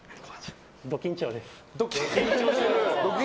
ド緊張です。